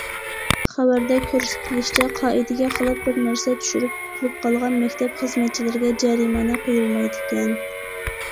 خەۋەردە كۆرسىتىلىشىچە، قائىدىگە خىلاپ بىر نەرسە چۈشۈرۈپ تۇتۇلۇپ قالغان مەكتەپ خىزمەتچىلىرىگە جەرىمانە قويۇلمايدىكەن.